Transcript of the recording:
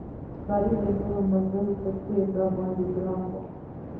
فرید د نورو ملګرو په څېر را باندې ګران و.